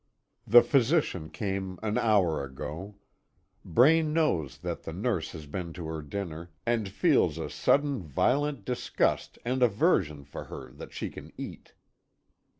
The physician came an hour ago. Braine knows that the nurse has been to her dinner, and feels a sudden violent disgust and aversion for her that she can eat.